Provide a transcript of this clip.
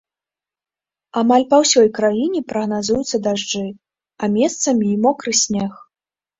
Амаль па ўсёй краіне прагназуюцца дажджы, а месцамі і мокры снег.